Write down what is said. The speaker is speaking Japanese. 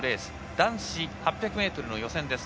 男子８００ｍの予選です。